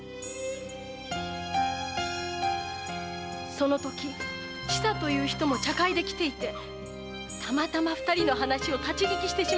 そのとき千佐という人も茶会で来ていてたまたま二人の話を立ち聞きしてしまったのです。